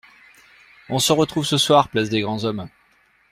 On se retrouve ce soir place des grands hommes.